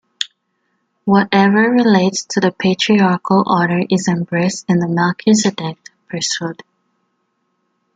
Whatever relates to the patriarchal order is embraced in the Melchizedek Priesthood.